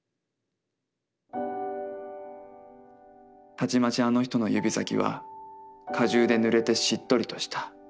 「たちまちあの人の指先は果汁で濡れてしっとりとした。